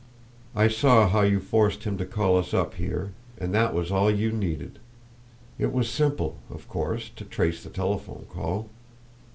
I saw how you forced him to call us up here, and that was all you needed. It was simple, of course, to trace the telephone call."